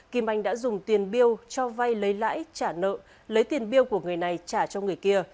kim anh đã dùng tiền biêu cho vay lấy lãi trả nợ lấy tiền biêu của người này trả cho người kia